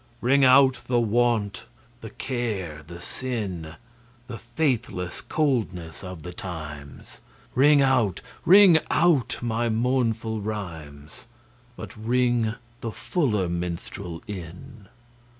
Ring out the want, the care the sin, The faithless coldness of the times; Ring out, ring out my mournful rhymes, But ring the fuller minstrel in.